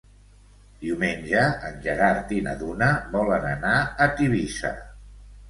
Diumenge en Gerard i na Duna volen anar a Tivissa.